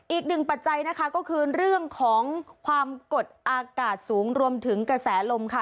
ปัจจัยนะคะก็คือเรื่องของความกดอากาศสูงรวมถึงกระแสลมค่ะ